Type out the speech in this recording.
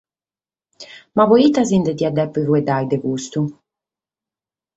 Ma pro ite si nde diat dèpere faeddare, de custu?